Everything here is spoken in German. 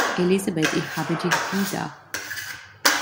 Elisabeth, ich habe dich wieder!